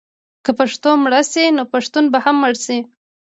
که پښتو مړه شي نو پښتون به هم مړ شي.